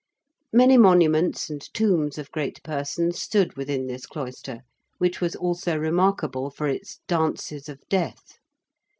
Many monuments and tombs of great persons stood within this cloister, which was also remarkable for its 'Dances of Death.'